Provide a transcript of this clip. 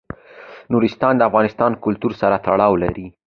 نورستان د افغان کلتور سره تړاو لري.